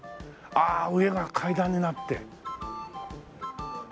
ああ上が階段になってええ？